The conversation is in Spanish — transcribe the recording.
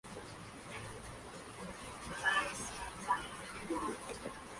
Se acompaña con cebolla picada, hojas de cilantro y limones.